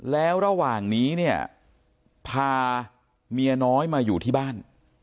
แล้วระหว่างนี้เนี่ยพาเมียน้อยมาอยู่ที่บ้าน